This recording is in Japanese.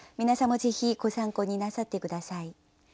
皆さんもぜひご参考になさって下さい。